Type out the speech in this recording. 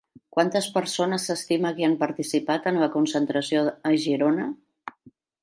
Quantes persones s'estima que han participat en la concentració a Girona?